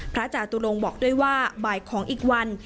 พระอาจารย์ตูรงค์บอกด้วยว่าบ่ายของอีกวัน